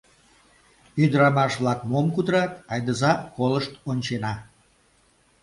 Ӱдырамаш-влак мом кутырат, айдыза колышт ончена.